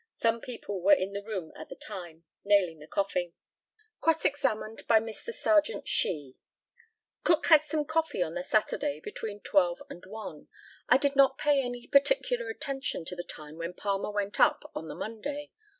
Some people were in the room at the time nailing the coffin. Cross examined by Mr. Serjeant SHEE. Cook had some coffee on the Saturday between 12 and 1. I did not pay any particular attention to the time when Palmer went up on the Monday.